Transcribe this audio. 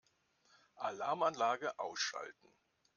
Alarmanlage ausschalten.